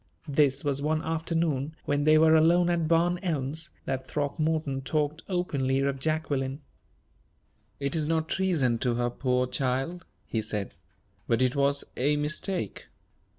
This was one afternoon when they were alone at Barn Elms, that Throckmorton talked openly of Jacqueline. "It is not treason to her, poor child," he said, "but it was a mistake.